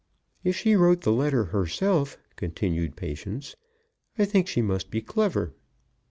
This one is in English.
"If she wrote the letter herself," continued Patience, "I think she must be clever."